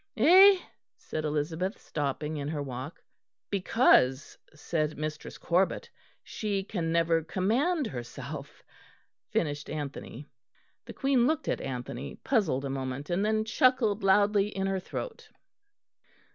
"Eh?" said Elizabeth, stopping in her walk. "'Because,' said Mistress Corbet, 'she can never command herself,'" finished Anthony. The Queen looked at Anthony, puzzled a moment; and then chuckled loudly in her throat.